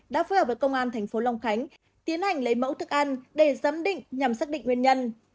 đã phối hợp với công an tp hcm tiến hành lấy mẫu thức ăn để giám định nhằm xác định nguyên nhân